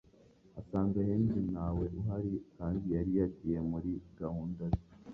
asanga Henry ntawe uhari kandi yari yagiye muri gahunda ze